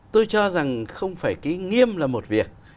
tôi cho rằng không phải cái nghiêm là một việc